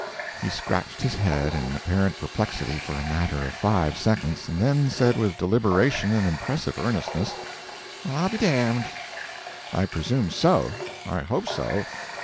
He scratched his head in apparent perplexity for a matter of five seconds, and then said with deliberation and impressive earnestness: "Well, I'll be dammed." "I presume so. I hope so.